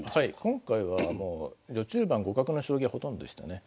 今回は序中盤互角の将棋がほとんどでしたね。